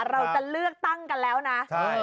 เราจะเลือกตั้งกันแล้วนะ